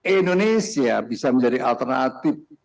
indonesia bisa menjadi alternatif